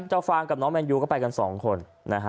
ฟางกับน้องแมนยูก็ไปกัน๒คน